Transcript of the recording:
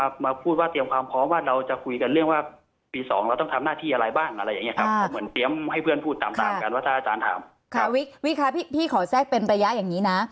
ค่ะวิเคระพี่ขอแทนเป็นประยะอย่างนี้นะ